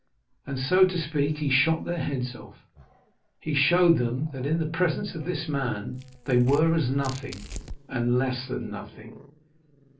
And, so to speak, he shot their heads off. He showed them that, in the presence of this man, they were as nothing, and less than nothing.